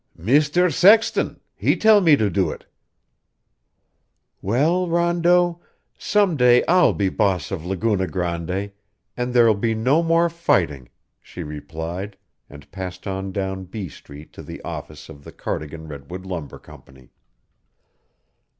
"Mr. Sexton, he tell me to do it." "Well, Rondeau, some day I'll be boss of Laguna Grande and there'll be no more fighting," she replied, and passed on down B Street to the office of the Cardigan Redwood Lumber Company.